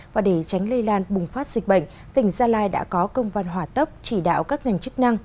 và để tránh lây lan bùng phát dịch bệnh tỉnh gia lai đã có công văn hỏa tốc chỉ đạo các ngành chức năng